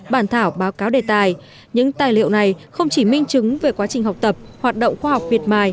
bản thảo báo cáo đề tài những tài liệu này không chỉ minh chứng về quá trình học tập hoạt động khoa học miệt mài